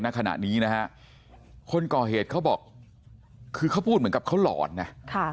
ณขณะนี้นะฮะคนก่อเหตุเขาบอกคือเขาพูดเหมือนกับเขาหลอนนะ